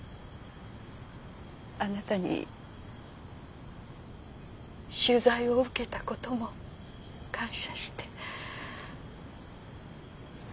あなたに取材を受けた事も感謝して。